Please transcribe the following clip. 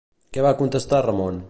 Què va contestar Ramon?